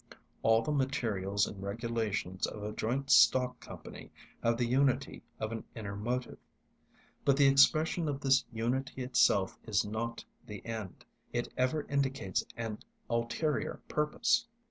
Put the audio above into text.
All the materials and regulations of a joint stock company have the unity of an inner motive. But the expression of this unity itself is not the end; it ever indicates an ulterior purpose.